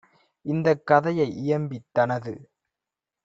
இந்தக் கதையை இயம்பித் தனது